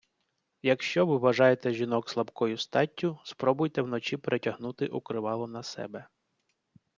Якщо ви вважаєте жінок слабкою статтю, спробуйте вночі перетягнути укривало на себе.